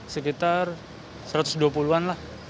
sekitar satu ratus dua puluh an lah